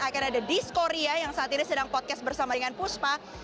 akan ada disco ria yang saat ini sedang podcast bersama dengan puspa